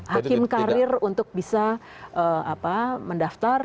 hakim karir untuk bisa mendaftar